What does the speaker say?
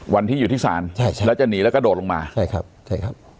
วันที่อยู่ที่ศาลใช่ใช่แล้วจะหนีแล้วก็โดดลงมาใช่ครับใช่ครับ